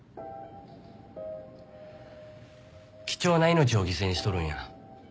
貴重な命を犠牲にしとるんや。